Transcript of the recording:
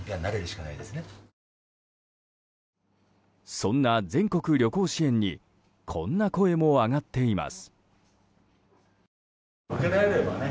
そんな全国旅行支援にこんな声も上がっています。